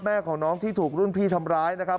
แม่ของน้องที่ถูกรุ่นพี่ทำร้ายนะครับ